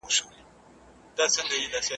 په لمبو د کوه طور کي نڅېدمه ,